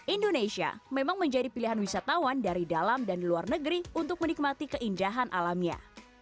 indonesia memang menjadi pilihan wisatawan dari dalam dan luar negeri untuk menikmati keindahan alamnya